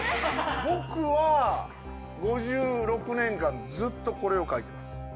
僕は５６年間ずっとこれを書いてます